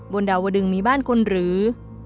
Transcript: ดาวดึงมีบ้านคนหรือ